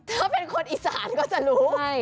ถ้าเป็นคนอีสานก็จะรู้ให้